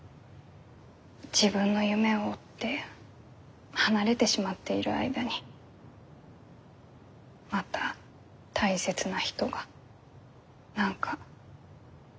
自分の夢を追って離れてしまっている間にまた大切な人が何かつらい目に遭ったらって。